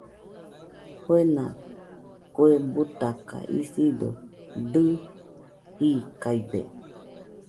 Fuena kue butaka , isido dɨjikaide.